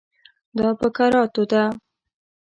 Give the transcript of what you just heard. دا په کراتو ده.